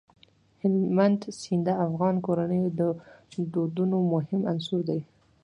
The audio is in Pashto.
هلمند سیند د افغان کورنیو د دودونو مهم عنصر دی.